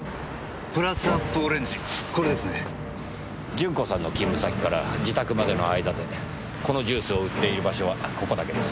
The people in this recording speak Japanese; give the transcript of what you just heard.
順子さんの勤務先から自宅までの間でこのジュースを売っている場所はここだけです。